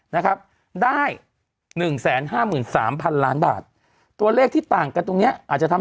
นะครับได้๑๕๓๐๐๐ล้านบาทตัวเลขที่ต่างกันตรงนี้อาจจะทำ